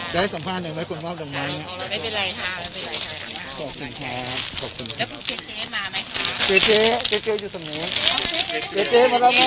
ขอบคุณค่ะขอบคุณทุกคนด้วยนะคะ